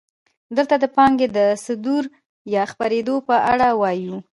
دلته د پانګې د صدور یا خپرېدو په اړه وایو